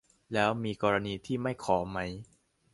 แล้วมีกรณีที่ไม่ขอไหม ?